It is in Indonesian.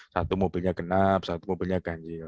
satu mobilnya genap satu mobilnya ganjil